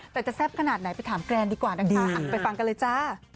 แต่จะแซ่บขนาดไหนไปถามแกรนดีกว่านะคะไปฟังกันเลยจ้า